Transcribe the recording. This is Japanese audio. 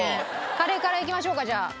カレーからいきましょうかじゃあ。